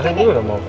rena ini udah mau apa